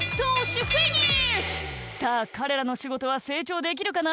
さあかれらのしごとはせいちょうできるかな？